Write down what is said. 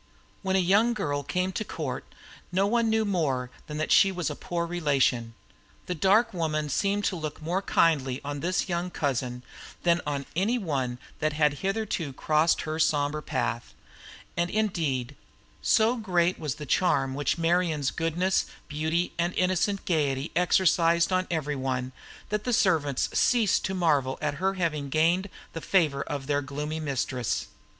When a young girl came to the Court, no one knew more than that she was a poor relation. The dark woman seemed to look more kindly on this young cousin than on any one that had hitherto crossed her somber path, and indeed so great was the charm which Marian's goodness, beauty and innocent gayety exercised on every one that the servants ceased to marvel at her having gained the favor of their gloomy mistress.